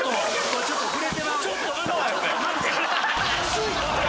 ちょっと触れてまうのね。